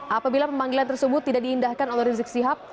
apabila pemanggilan tersebut tidak diindahkan oleh rizik sihab